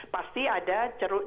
pasti ada ceruk ceruk dukungan